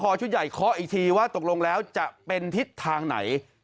พอชุดใหญ่เคาะอีกทีว่าตกลงแล้วจะเป็นทิศทางไหน